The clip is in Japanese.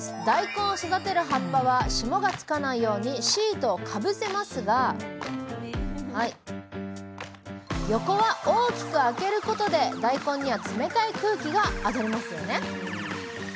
大根を育てる葉っぱは霜がつかないようにシートをかぶせますが横は大きく開けることで大根には冷たい空気が当たりますよね。